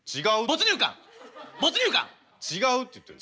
違うって言ってる。